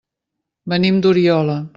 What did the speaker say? Venim d'Oriola.